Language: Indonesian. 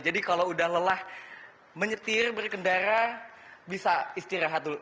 jadi kalau udah lelah menyetir berkendara bisa istirahat dulu